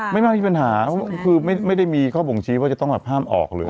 ไม่น่ามีปัญหาคือไม่ได้มีข้อบ่งชี้ว่าจะต้องแบบห้ามออกหรือว่า